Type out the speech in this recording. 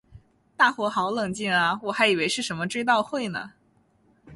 大伙好冷静啊我还以为是什么追悼会呢